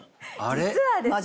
実はですね